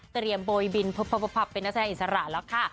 เตรียมบ่อยบินเป็นนักแสดงอิสระแล้วค่ะ